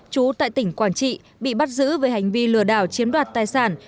chú tại tỉnh quảng trị bị bắt giữ về hành vi lừa đảo chiếm đoạt tài sản